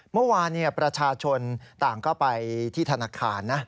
เมื่อวานประชาชนต่างก็ไปที่ธนาคารนะ